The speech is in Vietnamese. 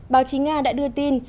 báo chí nga đã đưa tin